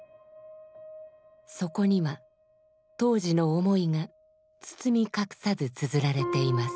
そこには当時の思いが包み隠さず綴られています。